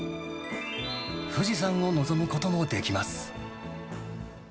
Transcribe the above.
富士山を望むこともできます。